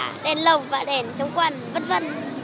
đối cả đèn lồng và đèn chống quần vân vân